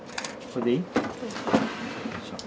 これでいい？